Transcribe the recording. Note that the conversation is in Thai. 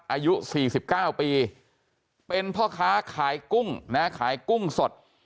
อายุ๔๙ปีเป็นพ่อค้าขายกุ้งนะขายกุ้งสด